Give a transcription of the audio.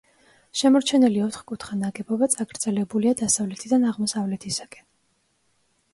შემორჩენილი ოთხკუთხა ნაგებობა წაგრძელებულია დასავლეთიდან აღმოსავლეთისაკენ.